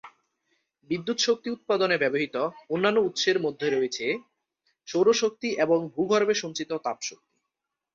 বিদ্যুৎ শক্তি উৎপাদনে ব্যবহৃত অন্যান্য উৎসের মধ্যে রয়েছে সৌর শক্তি এবং ভূ-গর্ভে সঞ্চিত তাপ শক্তি।